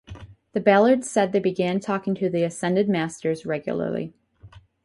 The Ballards said they began talking to the Ascended Masters regularly.